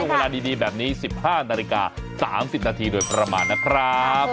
เวลาดีแบบนี้๑๕นาฬิกา๓๐นาทีโดยประมาณนะครับ